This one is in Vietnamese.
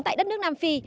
tại đất nước nam phi